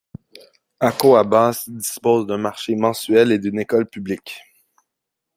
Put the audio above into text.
Akoabas dispose d'un marché mensuel et d'une école publique.